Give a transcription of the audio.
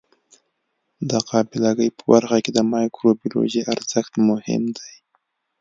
د قابله ګۍ په برخه کې د مایکروبیولوژي ارزښت مهم دی.